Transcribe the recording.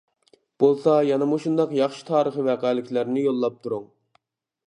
بولسا يەنە مۇشۇنداق ياخشى تارىخى ۋەقەلىكلەرنى يوللاپ تۇرۇڭ!